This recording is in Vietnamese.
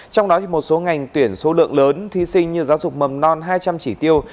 trong đó một số ngành tuyển số lượng lớn thí sinh như giáo dục mầm non hai trăm linh chỉ tiêu